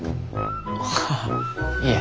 ああいえ。